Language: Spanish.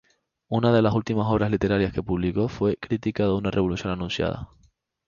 Una de las últimas obras literarias que publicó fue "Crítica de una revolución anunciada.